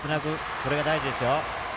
これが大事ですよ。